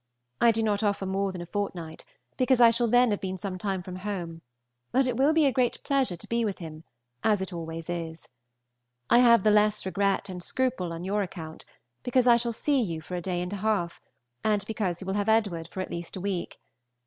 I do not offer more than a fortnight, because I shall then have been some time from home; but it will be a great pleasure to be with him, as it always is. I have the less regret and scruple on your account, because I shall see you for a day and a half, and because you will have Edward for at least a week.